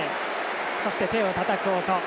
そして、手をたたく音。